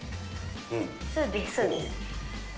そうです、そうです。